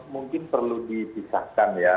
mungkin perlu dipisahkan ya